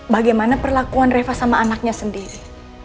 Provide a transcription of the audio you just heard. bagaimana perlakuan reva sama anaknya sendiri